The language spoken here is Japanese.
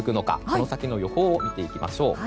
この先の予報を見ていきましょう。